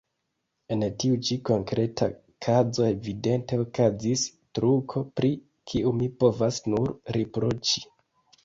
En tiu ĉi konkreta kazo evidente okazis truko, pri kiu mi povas nur riproĉi.